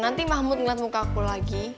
nanti mahmud ngeliat muka aku lagi